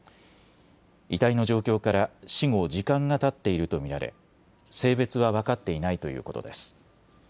遺体の状況から死後時間がたっていると見られ性別は分かっていないということです。